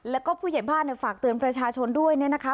แล้วก็ผู้ใหญ่บ้านฝากเตือนประชาชนด้วยเนี่ยนะคะ